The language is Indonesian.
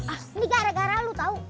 ah ini gara gara lu tau